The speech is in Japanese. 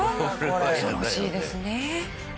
恐ろしいですね。